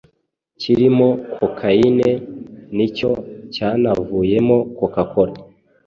kirimo cocaine nicyo cyanavuyemo coca cola